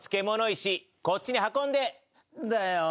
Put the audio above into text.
んだよ。